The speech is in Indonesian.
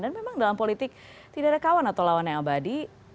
dan memang dalam politik tidak ada kawan atau lawan yang abadi